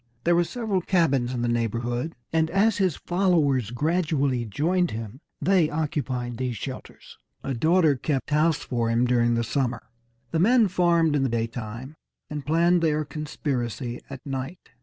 There were several cabins in the neighborhood, and as his followers gradually joined him, they occupied these shelters. A daughter kept house for him during the summer. The men farmed in the daytime, and planned their conspiracy at night.